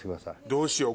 どうしよう？